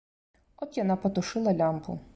От яна патушыла лямпу.